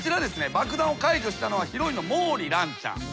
爆弾を解除したのはヒロインの毛利蘭ちゃん。